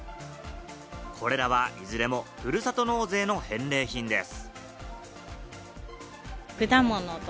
これらはいずれも、ふるさと納税の返礼品です。